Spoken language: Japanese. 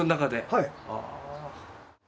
はい。